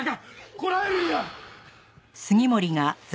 こらえるんや。